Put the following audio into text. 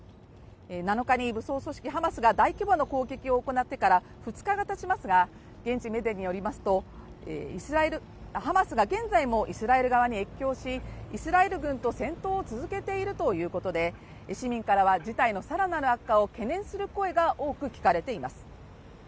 ７日に武装組織ハマスが大規模な攻撃を行ってから２日がたちますが、現地メディアによりますと、ハマスが現在もイスラエル側に越境し、イスラエル軍と戦闘を続けているということで市民からは事態の更なる悪化を懸念する声が多く聞かれています。